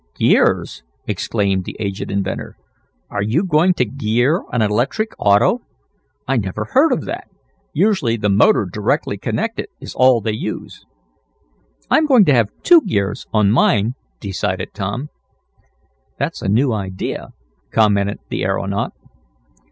"Gears!" exclaimed the aged inventor. "Are you going to gear an electric auto? I never heard of that. Usually the motor directly connected is all they use." "I'm going to have two gears on mine," decided Tom. "That's a new idea," commented the aeronaut.